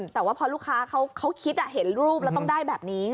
แต่ว่าพอลูกค้าเขาคิดเห็นรูปแล้วต้องได้แบบนี้